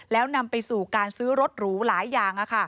แล้วนำไปสู่การซื้อรถหรูหลายอย่าง